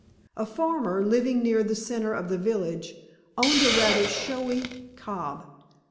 A farmer, living near the center of the village, owned a rather showy cob.